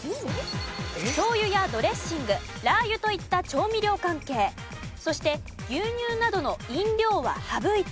しょうゆやドレッシングラー油といった調味料関係そして牛乳などの飲料は省いています。